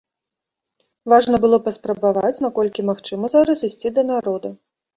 Важна было паспрабаваць, наколькі магчыма зараз ісці да народа.